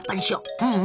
うんうん。